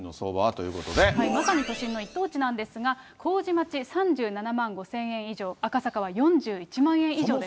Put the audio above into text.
まさに都心の一等地なんですが、麹町、３７万５０００円以上、赤坂は４１万円以上です。